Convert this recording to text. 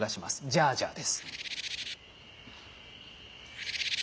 「ジャージャー」です。